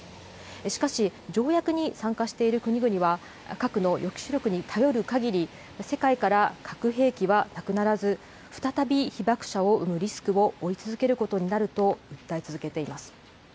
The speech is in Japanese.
しかし、条約に参加している国々は、核の抑止力に頼るかぎり、世界から核兵器はなくならず、再び被爆者を生むリスクを追い続けることになると訴え続けています。